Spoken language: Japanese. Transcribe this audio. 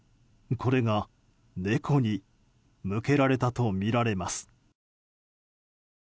これが猫に向けられたとみられます。